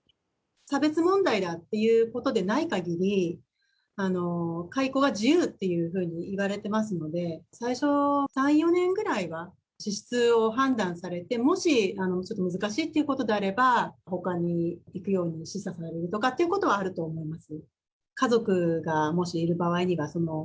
差別問題ということでないかぎり、解雇は自由っていうふうに言われてますので、最初、３、４年ぐらいは資質を判断されて、もしちょっと難しいってことであれば、ほかに行くように示唆されるというようなことはあると思います。